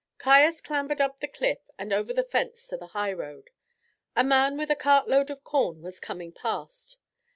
Caius clambered up the cliff and over the fence to the highroad. A man with a cartload of corn was coming past.